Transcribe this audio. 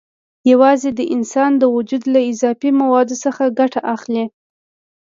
یوازې د انسان د وجود له اضافي موادو څخه ګټه اخلي.